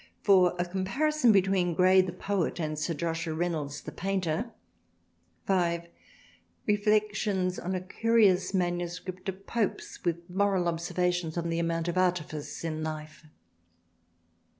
(4) a comparison between Gray the Poet and Sir Joshua Reynolds the Painter. (5) reflections on a curious MS. of Pope's with moral observations on the amount of artifice in Life.